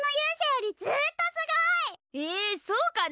えそうかな？